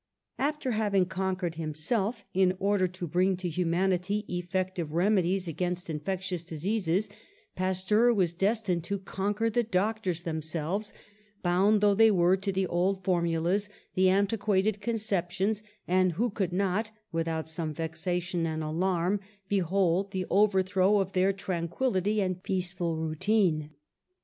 '^ After having conquered himself in order to bring to humanity effective remedies against in fectious diseases, Pasteur was destined to con quer the doctors themselves, bound though they were to the old formulas, the antiquated conceptions, and who could not, without some vexation and alarm, behold the overthrow of their tranquillity and peaceful routine.